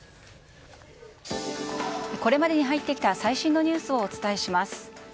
これまでに入ってきた最新ニュースをお伝えします。